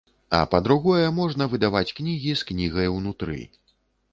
А па-другое, можна выдаваць кнігі з кнігай унутры.